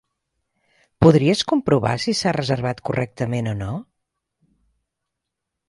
Podries comprovar si s'ha reservat correctament o no?